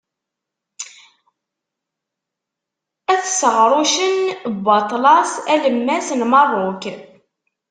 At Seɣrucen n Waṭlas Alemmas n Merruk.